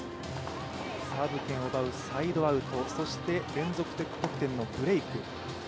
サーブ権を奪うサイドアウト、連続得点のブレイク。